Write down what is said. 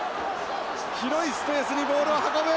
広いスペースにボールを運ぶ。